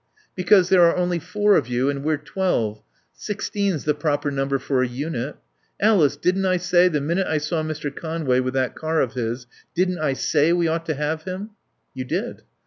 "Because there are only four of you and we're twelve. Sixteen's the proper number for a unit. Alice, didn't I say, the minute I saw Mr. Conway with that car of his, didn't I say we ought to have him?" "You did."